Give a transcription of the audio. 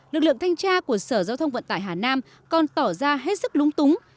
lực lượng thanh tra của sở giao thông vận tải hà nam còn tỏ ra hết sức lúng túng